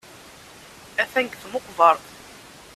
Atan deg tmeqbert.